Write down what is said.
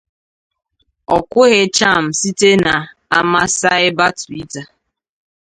O kwughị cham site n’ama saiba Twitter